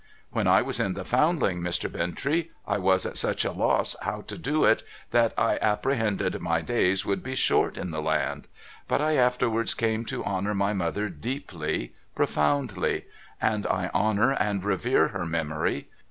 When I was in the Foundling, Mr. Bintrey, I was at such a loss how to do it, that I apprehended my days would be short in the land. But I afterwards came to honour my mother deeply, profoundly. And I honour and revere her memory.